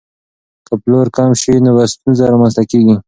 که پلور کم شي نو ستونزه رامنځته کیږي.